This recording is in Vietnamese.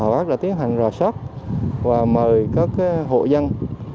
họ đã tiến hành rò sốt và mời các hộ dân